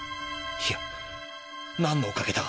いやなんのおかげだ？